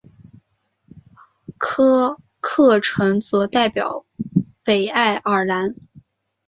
科克城则代表北爱尔兰。